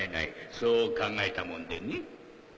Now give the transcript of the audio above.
そう考えたもんでね。